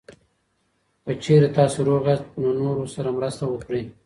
که چېرې تاسو روغ یاست، نو نورو سره مرسته وکړئ.